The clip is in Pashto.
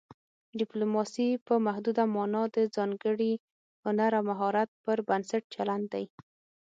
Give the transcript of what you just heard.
ډیپلوماسي په محدوده مانا د ځانګړي هنر او مهارت پر بنسټ چلند دی